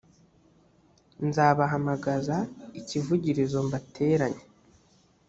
nzabahamagaza ikivugirizo mbateranye